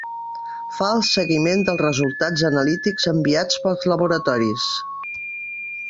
Fa el seguiment dels resultats analítics enviats pels laboratoris.